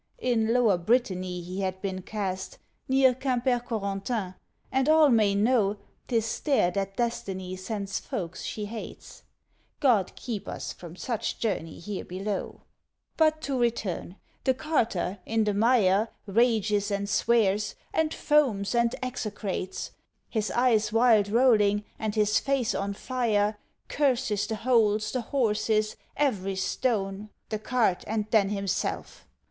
(In Lower Brittany he had been cast, Near Quimper Corentin, and all may know 'Tis there that Destiny sends folks she hates. God keep us from such journey here below!) But to return. The Carter, in the mire, Rages and swears, and foams and execrates His eyes wild rolling, and his face on fire; Curses the holes, the horses, every stone, [Illustration: THE CARTER STUCK IN THE MUD.] The cart, and then himself.